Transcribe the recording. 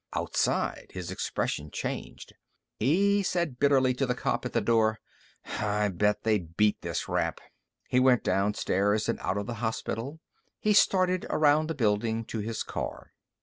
Outside, his expression changed. He said bitterly to the cop at the door: "I bet they beat this rap!" He went downstairs and out of the hospital. He started around the building to his car.